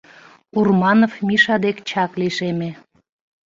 — Урманов Миша дек чак лишеме.